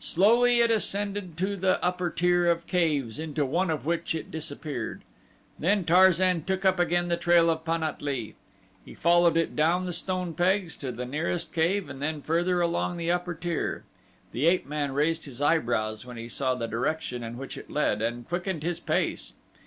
Slowly it ascended to the upper tier of caves, into one of which it disappeared. Then Tarzan took up again the trail of Pan at lee. He followed it down the stone pegs to the nearest cave and then further along the upper tier. The ape man raised his eyebrows when he saw the direction in which it led, and quickened his pace.